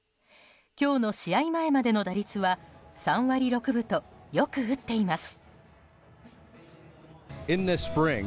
今日の試合前までの打率は３割６分とよく打っています。